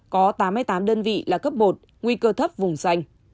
có tám mươi tám đơn vị là cấp một nguy cơ thấp vùng danh